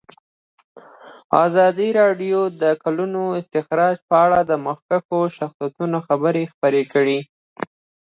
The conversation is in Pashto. ازادي راډیو د د کانونو استخراج په اړه د مخکښو شخصیتونو خبرې خپرې کړي.